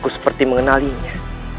aku seperti mengenalinya